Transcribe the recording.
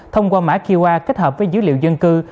thông qua mã qr kết hợp với dữ liệu dân cư